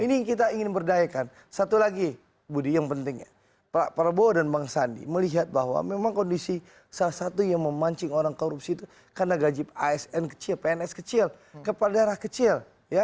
ini kita ingin berdayakan satu lagi budi yang penting ya pak prabowo dan bang sandi melihat bahwa memang kondisi salah satu yang memancing orang korupsi itu karena gaji asn kecil pns kecil kepala daerah kecil